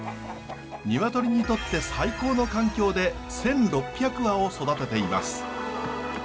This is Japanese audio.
鶏にとって最高の環境で１，６００羽を育てています。